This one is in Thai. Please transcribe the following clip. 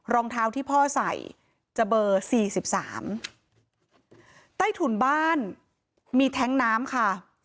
รองเท้าที่พ่อใส่จะเบอร์สี่สิบสามใต้ถุนบ้านมีแท้งน้ำค่ะ